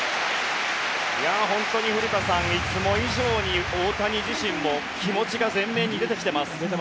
本当に古田さんいつも以上に大谷自身も気持ちが前面に出てきています。